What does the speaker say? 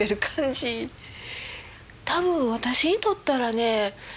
多分私にとったらね